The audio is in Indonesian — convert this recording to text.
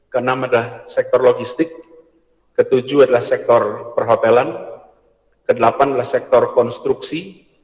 ke enam adalah sektor logistik ke tujuh adalah sektor perhotelan ke delapan adalah sektor konstruksi